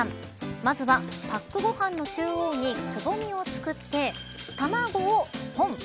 まずは、パックご飯の中央にくぼみを作って卵をポン。